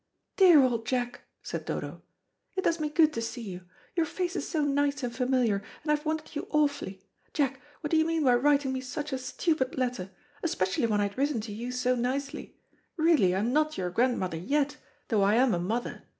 "Dear old Jack," said Dodo, "it does me good to see you. Your face is so nice and familiar, and I've wanted you awfully. Jack, what do you mean by writing me such a stupid letter? especially when I'd written to you so nicely. Really, I'm not your grand mother yet, though I am a mother.